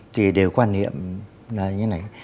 thì đều quan niệm là như thế này